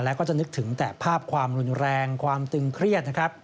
แล้วก็จะนึกถึงแต่ภาพความรุนแรงความตึงเครียดนะครับ